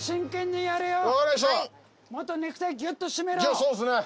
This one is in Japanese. いやそうですね。